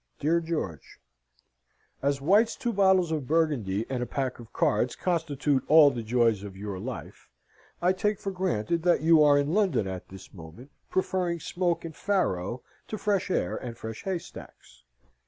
"DEAR GEORGE As White's two bottles of Burgundy and a pack of cards constitute all the joys of your life, I take for granted that you are in London at this moment, preferring smoke and faro to fresh air and fresh haystacks.